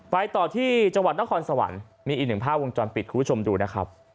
ไปต่อที่จังหวัดนครสวรรค์มีอีกหนึ่งภาพวงจรปิดคุณผู้ชมดูนะครับ